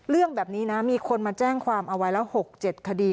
เรื่องแบบนี้นะมีคนมาแจ้งความเอาไว้แล้ว๖๗คดี